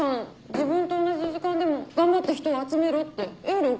自分と同じ時間でも頑張って人を集めろってエール送ってくれてるんでしょ？